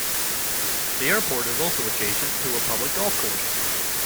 The airport is also adjacent to a public golf course.